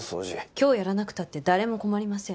今日やらなくたって誰も困りません。